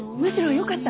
よかった？